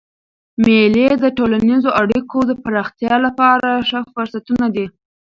مېلې د ټولنیزو اړیکو د پراختیا له پاره ښه فرصتونه دي.